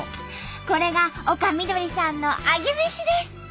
これが丘みどりさんのアゲメシです。